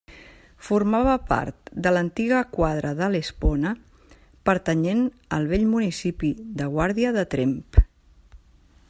Formava part de l'antiga quadra de l'Espona, pertanyent al vell municipi de Guàrdia de Tremp.